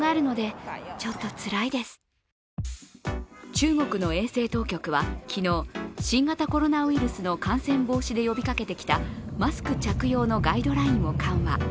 中国の衛生当局は昨日、新型コロナウイルスの感染防止で呼びかけてきた、マスク着用のガイドラインを緩和。